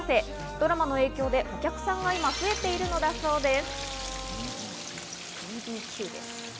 ドラマの影響でお客さんが今増えているのだそうです。